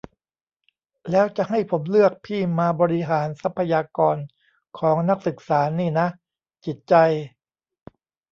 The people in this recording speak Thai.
แล้วจะให้ผมเลือกพี่มาบริหารทรัพยากรของนักศึกษานี่นะ จิตใจ